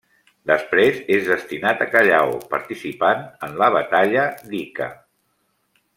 Després és destinat a Callao, participant en la batalla d'Ica.